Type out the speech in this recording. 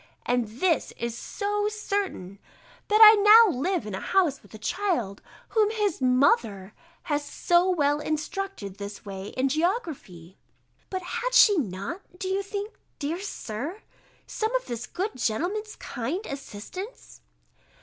And this is so certain, that I now live in a house with a child, whom his MOTHER has so well instructed this way in geography," [But _had she not, do you think, dear Sir, some of this good gentleman's kind assistance?